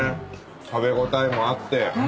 食べ応えもあって。